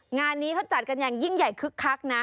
งานนี้เขาจัดกันอย่างยิ่งใหญ่คึกคักนะ